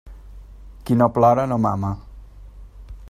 Qui no plora no mama.